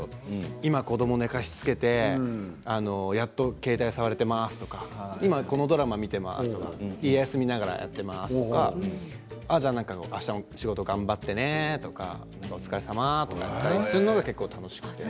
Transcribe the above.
今子どもを寝かしつけてやっと携帯を触れていますとか今このドラマを見ていますとか「家康」を見ながらやっていますとかあしたもお仕事頑張ってねとかお疲れさまとかそういうことするのが楽しくて。